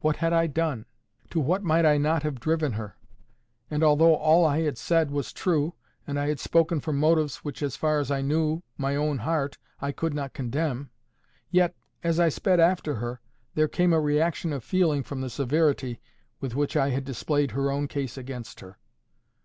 What had I done? To what might I not have driven her? And although all I had said was true, and I had spoken from motives which, as far as I knew my own heart, I could not condemn, yet, as I sped after her, there came a reaction of feeling from the severity with which I had displayed her own case against her.